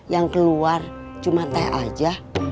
yang keluar cuma teh aja